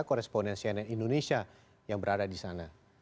koresponen cnn indonesia yang berada di sana